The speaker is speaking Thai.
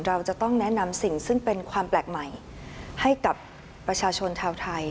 เราจะต้องแนะนำสิ่งซึ่งเป็นความแปลกใหม่ให้กับประชาชนชาวไทย